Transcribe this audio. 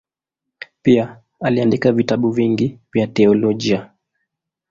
Pia aliandika vitabu vingi vya teolojia.